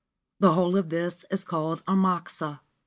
The whole of this is called Amakusa.